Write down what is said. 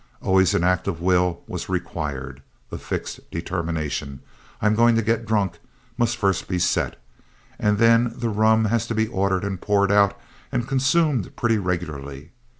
Always an act of will was required. A fixed determination, "I'm going to get drunk," must first be set, and then the rum has to be ordered and poured out and consumed pretty regularly.